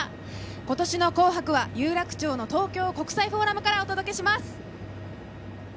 今年の紅白は有楽町の東京国際フォーラムからお届けします。